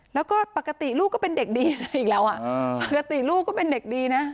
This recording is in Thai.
แล้วก็ปกติลูกก็เป็นเด็กดีอะไรอีกแล้วอ่ะปกติลูกก็เป็นเด็กดีนะ